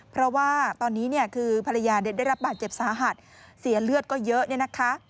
เพราะว่าตอนนี้เนี่ยคือภรรยาได้รับบาดเจ็บสาหัสเสียเลือดก็เยอะเนี่ยนะคะ